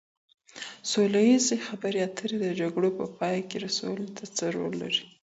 سوله ييزې خبرې اترې د جګړو په پای ته رسولو کي څه رول لري؟